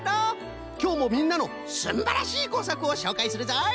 きょうもみんなのすんばらしいこうさくをしょうかいするぞい！